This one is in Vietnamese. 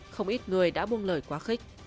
không ít người đã buông lời quá khích